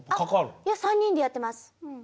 いや３人でやってます。